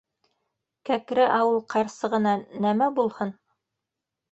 Кәкре ауыл ҡарсығына... нәмә булһын?